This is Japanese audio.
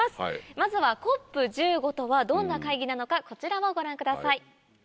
まずはＣＯＰ１５とはどんな会議なのかこちらをご覧ください。